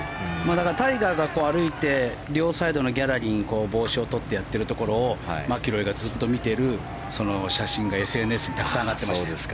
タイガーが歩いて両サイドのギャラリーに帽子をとってやっているところをマキロイがずっと見ている写真がＳＮＳにたくさん上がっていました。